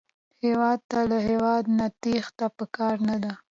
هېواد ته له هېواده نه تېښته پکار نه ده